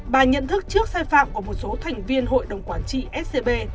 bà nhận thức trước sai phạm của một số thành viên hội đồng quản trị scb